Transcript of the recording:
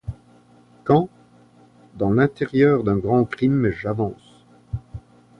Quand dans l'intérieur d'un grand crime j'avance